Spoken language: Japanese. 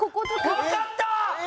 わかった！